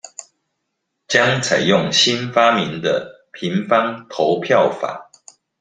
將採用新發明的「平方投票法」